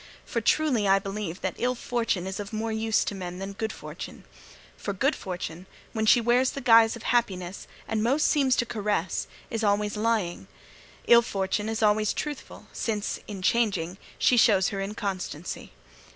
For truly I believe that Ill Fortune is of more use to men than Good Fortune. For Good Fortune, when she wears the guise of happiness, and most seems to caress, is always lying; Ill Fortune is always truthful, since, in changing, she shows her inconstancy.